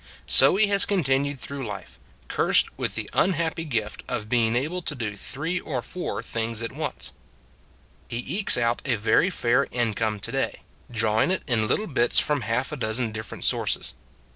So he has continued through life cursed with the unhappy gift of being able to do three or four things at once. He ekes out a very fair income to day,. 123 124 ft * a Good Old World drawing it in little bits from half a dozen different sources.